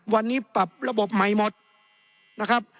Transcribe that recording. วันนี้ปรับระบบใหม่หมดนะครับ